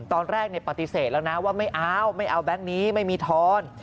ตอนแรกปฏิเสธแล้วนะว่าไม่เอาไม่เอาแบงค์นี้ไม่มีทอน